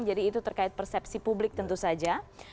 itu terkait persepsi publik tentu saja